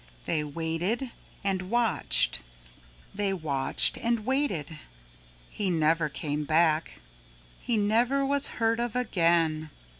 They waited and watched, they watched and waited. He never came back. He never was heard of again.